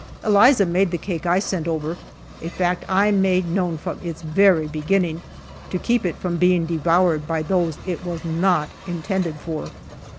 Eliza made the cake I sent over, a fact I made known from its very beginning, to keep it from being devoured by those it was not intended for.